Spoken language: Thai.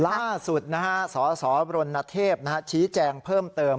ล่าสุดสสบรณเทพชี้แจงเพิ่มเติม